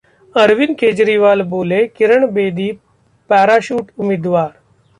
अरविंद केजरीवाल बोले, किरण बेदी पैराशूट उम्मीदवार